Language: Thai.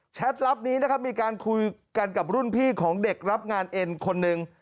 ลับนี้นะครับมีการคุยกันกับรุ่นพี่ของเด็กรับงานเอ็นคนหนึ่ง